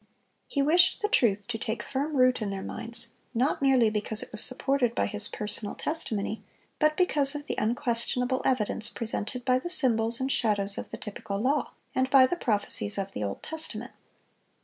He wished the truth to take firm root in their minds, not merely because it was supported by His personal testimony, but because of the unquestionable evidence presented by the symbols and shadows of the typical law, and by the prophecies of the Old Testament.